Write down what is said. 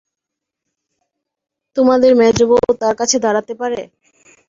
তোমাদের মেজোবউ তার কাছে দাঁড়াতে পারে!